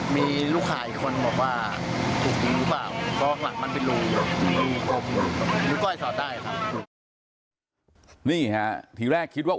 มีลูกค้าอีกคนบอกว่าถูกยิงหรือเปล่า